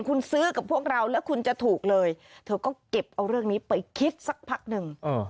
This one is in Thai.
คุณซื้อกับพวกเราแล้วคุณจะถูกเลยเธอก็เก็บเอาเรื่องนี้ไปคิดสักพักหนึ่ง